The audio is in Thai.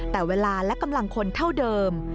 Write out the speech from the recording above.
แต่เวลาและกำลังคนเท่าเดิม